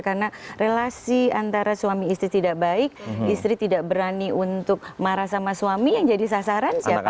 karena relasi antara suami istri tidak baik istri tidak berani untuk marah sama suami yang jadi sasaran siapa